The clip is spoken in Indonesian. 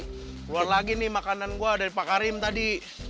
keluar lagi nih makanan gue dari pak karim tadi